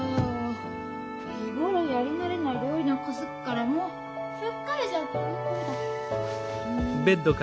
日頃やり慣れない料理なんかすっからもう疲れちゃった。